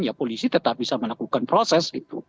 ya polisi tetap bisa melakukan proses gitu